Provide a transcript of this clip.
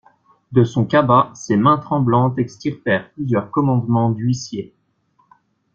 De son cabas ses mains tremblantes extirpèrent plusieurs commandements d'huissiers.